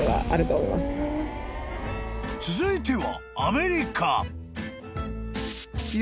［続いては］